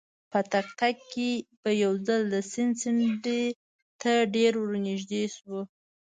په تګ تګ کې به یو ځل د سیند څنډې ته ډېر ورنژدې شوو.